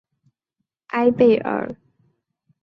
艾贝尔。